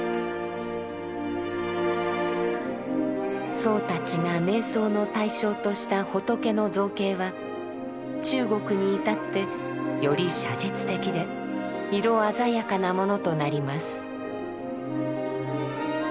僧たちが瞑想の対象とした仏の造形は中国に至ってより写実的で色鮮やかなものとなります。